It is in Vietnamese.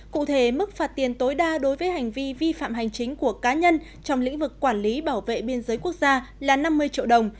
cụ thể mức phạt tiền tối đa đối với hành vi vi phạm hành chính của cá nhân trong lĩnh vực quản lý bảo vệ biên giới quốc gia là năm mươi triệu đồng